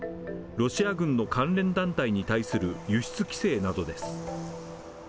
ロシア軍の関連団体に対する輸出規制などです。